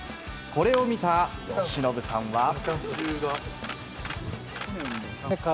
これを見た由伸さんは。